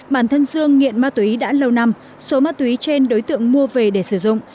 bản thân dương nghiện ma túy đã lâu năm số ma túy trên đối tượng mua về để sử dụng